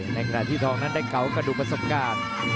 ในการที่ทองด้านได้เกาะกระดุมประสบกาล